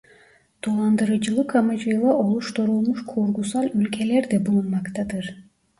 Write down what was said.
Dolandırıcılık amacıyla oluşturulmuş kurgusal ülkeler de bulunmaktadır.